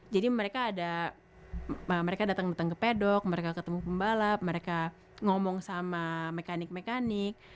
jadi mereka ada mereka datang datang ke pedok mereka ketemu pembalap mereka ngomong sama mekanik mekanik